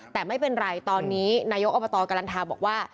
แต่ไม่เป็นไรตอนนี้นายกอบตกลันทาบอกว่า